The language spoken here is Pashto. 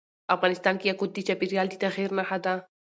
افغانستان کې یاقوت د چاپېریال د تغیر نښه ده.